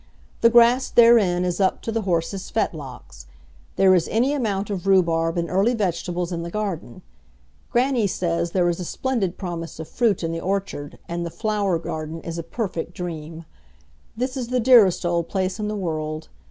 The grass therein is up to the horses' fetlocks. There is any amount of rhubarb and early vegetables in the garden. Grannie says there is a splendid promise of fruit in the orchard, and the flower garden is a perfect dream. This is the dearest old place in the world.